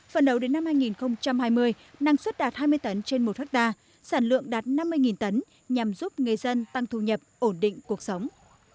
phần đầu đến năm hai nghìn hai mươi năng suất đạt hai mươi tấn trên một hectare sản lượng đạt năm mươi tấn nhằm giúp người dân tăng thu nhập ổn định cuộc sống